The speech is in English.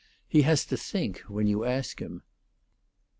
He has to think, when you ask him."